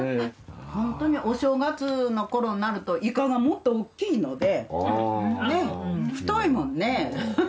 ホントにお正月のころになるとイカがもっとおっきいのでねぇ太いもんね。